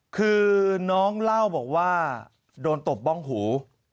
คือน้องเล่าบอกว่าโดนตบบ้องหู